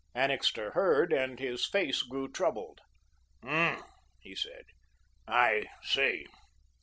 Annixter heard and his face grew troubled. "Hum," he said, "I see."